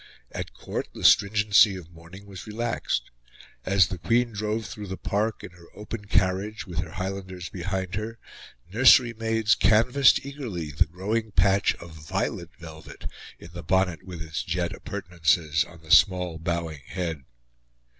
At Court the stringency of mourning was relaxed. As the Queen drove through the Park in her open carriage with her Highlanders behind her, nursery maids canvassed eagerly the growing patch of violet velvet in the bonnet with its jet appurtenances on the small bowing head.